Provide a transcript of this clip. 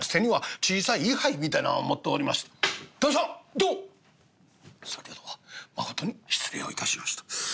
どうも先ほどはまことに失礼を致しました。